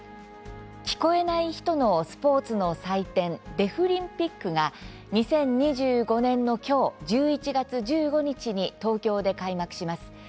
聞こえない人のスポーツの祭典デフリンピックが２０２５年の今日１１月１５日に東京で開幕します。